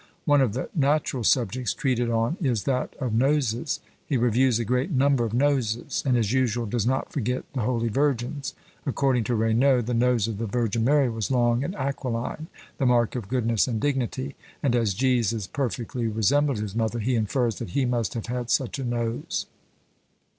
One of the natural subjects treated on is that of Noses: he reviews a great number of noses, and, as usual, does not forget the Holy Virgin's. According to Raynaud, the nose of the Virgin Mary was long and aquiline, the mark of goodness and dignity; and as Jesus perfectly resembled his mother, he infers that he must have had such a nose.